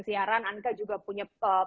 siaran anka juga punya